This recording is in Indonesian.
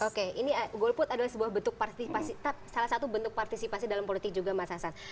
oke ini goal put adalah salah satu bentuk partisipasi dalam politik juga mas hasan